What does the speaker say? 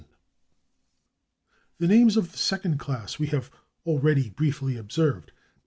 The names of the second class we have already briefly observed.